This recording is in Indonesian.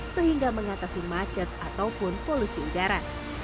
sehingga mengatasi macet ataupun polusi udara